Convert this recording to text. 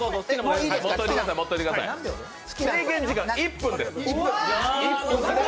制限時間１分です。